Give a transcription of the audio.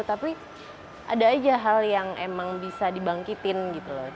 tapi ada aja hal yang emang bisa dibangkitin gitu loh